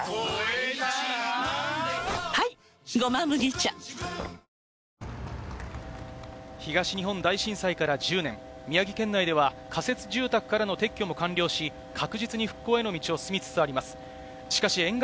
一方で、非常にバランスを取れた走りを東日本大震災から１０年、宮城県内では仮設住宅からの撤去も完了し、確実に復興への道を進みつつあります。